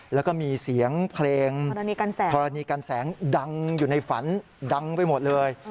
แล้วก็มีเสียงเพลงธรณีกันแสงดังอยู่ในฝันดังไปหมดเลย